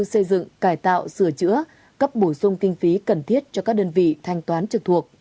xây dựng cải tạo sửa chữa cấp bổ sung kinh phí cần thiết cho các đơn vị thanh toán trực thuộc